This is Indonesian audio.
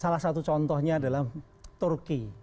salah satu contohnya adalah turki